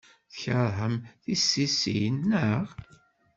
Tkeṛhem tissisin, naɣ?